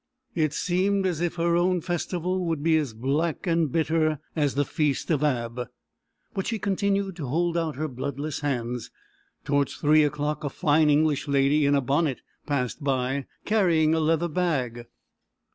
It seemed as if her own Festival would be black and bitter as the Feast of Ab. But she continued to hold out her bloodless hand. Towards three o'clock a fine English lady, in a bonnet, passed by, carrying a leather bag.